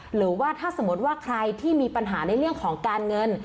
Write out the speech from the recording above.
หรือว่าถ้าสมมติว่าใครที่มีปัญหาในเรื่องของการเงิน